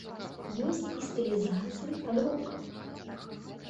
Ёсць і стылізацыі пад рок.